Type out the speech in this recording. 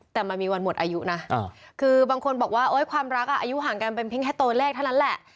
แต่มันมีวันหมดอายุนะคือบางคนบอกว่าความรักอายุห่างกันเป็นเพียงแค่ตัวเลขเท่านั้นแหละ